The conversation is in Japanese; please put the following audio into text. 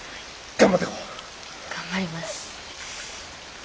頑張ります。